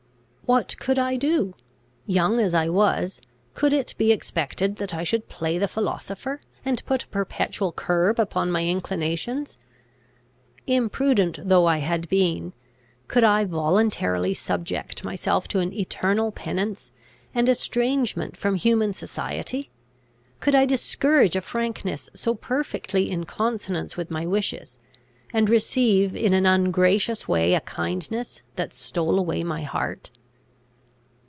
What could I do? Young as I was, could it be expected that I should play the philosopher, and put a perpetual curb upon my inclinations? Imprudent though I had been, could I voluntarily subject myself to an eternal penance, and estrangement from human society? Could I discourage a frankness so perfectly in consonance with my wishes, and receive in an ungracious way a kindness that stole away my heart?